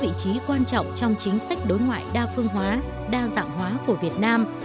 vị trí quan trọng trong chính sách đối ngoại đa phương hóa đa dạng hóa của việt nam